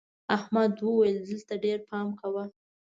احمد وويل: دلته ډېر پام کوه.